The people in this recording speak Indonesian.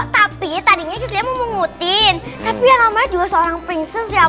tapi tadinya memutih tapi namanya juga seorang prinses ya